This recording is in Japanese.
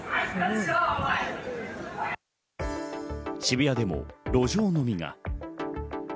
渋谷でも路上飲みが。